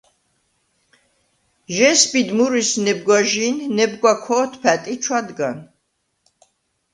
ჟესბიდ მურვისს ნებგვაჟი̄ნ, ნებგვა ქო̄თფა̈ტ ი ჩვადგან.